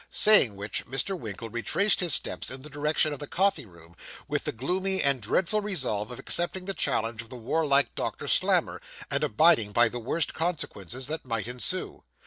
Saying which, Mr. Winkle retraced his steps in the direction of the coffee room, with the gloomy and dreadful resolve of accepting the challenge of the warlike Doctor Slammer, and abiding by the worst consequences that might ensue.